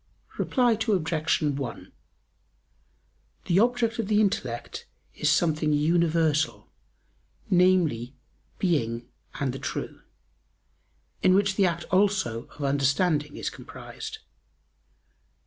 Reply Obj. 1: The object of the intellect is something universal, namely, being and the true, in which the act also of understanding is comprised.